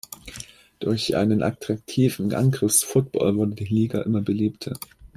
Durch einen attraktiven Angriffs-Football wurde die Liga immer beliebter.